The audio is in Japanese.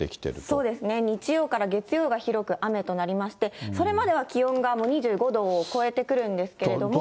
そうですね、日曜から月曜が広く雨となりまして、それまでは気温が２５度を超えてくるんですけれども。